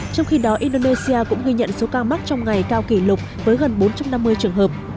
trong khi đó indonesia cũng ghi nhận số ca mắc trong ngày cao kỷ lục với gần bốn trăm năm mươi trường hợp